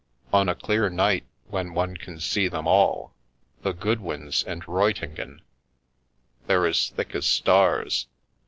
On a clear night when one can see them all, the Goodwins and Ruytingen, they're as thick as stars.